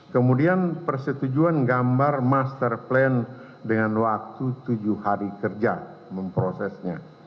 kemudian persetujuan gambar master plan dengan waktu tujuh hari kerja memprosesnya